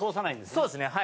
そうですねはい。